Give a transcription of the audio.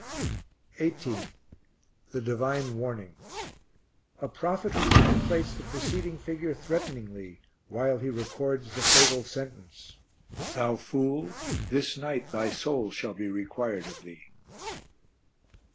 18. The Divine Warning. A prophet who contemplates the preceding figure threateningly while he records the fatal sentence: "Thou fool; this night thy soul shall be required of thee."